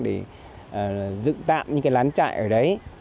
để dựng tạm những cái lán chạy ở đấy